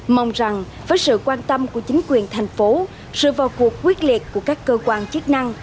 mong rằng với sự quan tâm của chính quyền thành phố sự vào cuộc quyết liệt của các cơ quan chức năng